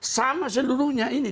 sama seluruhnya ini